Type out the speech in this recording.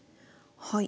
はい。